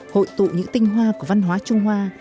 hội tụ những tinh hoa của văn hóa trung hoa